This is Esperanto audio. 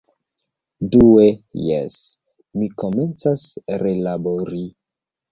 Due... jes, mi komencas relabori